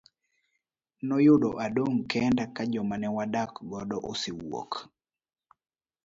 Noyudo adong' kenda ka joma ne wadak godo osewuok.